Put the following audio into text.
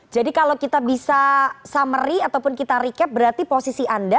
kalau kita bisa summary ataupun kita recap berarti posisi anda